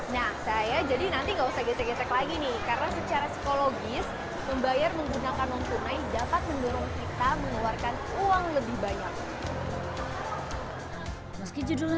nah saya jadi nanti nggak usah gesek gesek lagi nih karena secara psikologis membayar menggunakan uang tunai dapat mendorong kita mengeluarkan uang lebih banyak